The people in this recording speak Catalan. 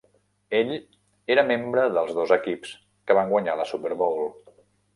Ell era membre dels dos equips que van guanyar la Super Bowl.